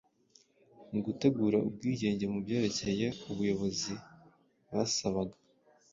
mu gutegura ubwigenge Mu byerekeye ubuyobozi basabaga